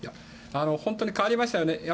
本当に変わりましたよね。